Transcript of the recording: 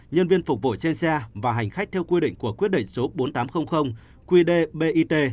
nhân viên phục vụ trên xe và hành khách theo quy định của quyết định số bốn nghìn tám trăm linh qd bit